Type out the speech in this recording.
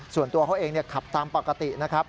ส่วนตัวเขาเองขับตามปกตินะครับ